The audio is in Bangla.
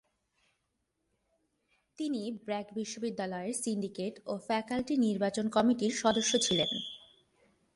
তিনি ব্র্যাক বিশ্ববিদ্যালয়ের সিন্ডিকেট ও ফ্যাকাল্টি নির্বাচন কমিটির সদস্য ছিলেন।